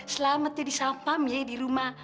selamatnya di sampah mie di rumah